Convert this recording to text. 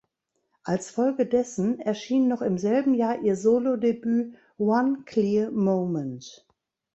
Als Folge dessen erschien noch im selben Jahr ihr Solo-Debüt "One Clear Moment".